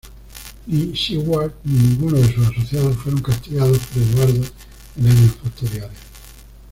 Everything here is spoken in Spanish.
Ni Siward ni ninguno de sus asociados fueron castigados por Eduardo en años posteriores.